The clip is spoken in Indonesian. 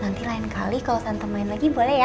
nanti lain kali kalau tante main lagi boleh ya